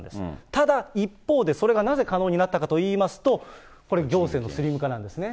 ただ、一方で、それがなぜ可能になったかといいますと、これ行政のスリム化なんですね。